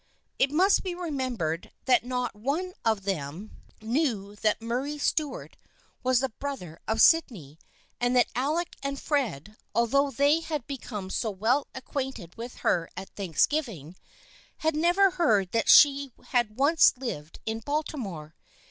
It must be remembered that not one of them 204 THE FRIENDSHIP OF AN'XE knew that Murray Stuart was the brother of Sydney, and that Alec and Fred, although they had become so well acquainted with her at Thanksgiv ing, had never heard that she had once lived in Baltimore.